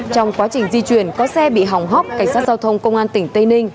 trong quá trình di chuyển có xe bị hỏng hóc cảnh sát giao thông công an tỉnh tây ninh